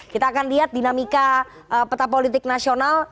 kita akan lihat dinamika peta politik nasional